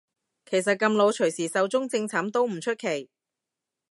其實咁老隨時壽終正寢都唔出奇